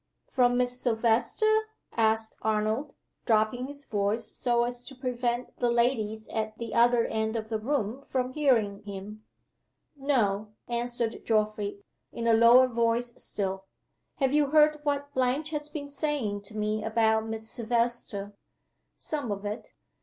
"From Miss Silvester?" asked Arnold, dropping his voice so as to prevent the ladies at the other end of the room from hearing him. "No," answered Geoffrey, in a lower voice still. "Have you heard what Blanche has been saying to me about Miss Silvester?" "Some of it."